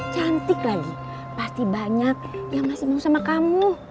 cantik lagi pasti banyak yang masih mau sama kamu